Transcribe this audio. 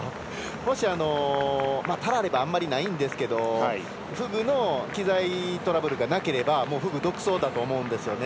もし、パラではあまりないんですけどフグの機材トラブルがなければフグ、独走だと思うんですよね。